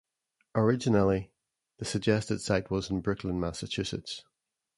Originally, the suggested site was in Brookline, Massachusetts.